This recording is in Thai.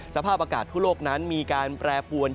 สภาพอากาศทั่วโลกนั้นมีการแปรปวน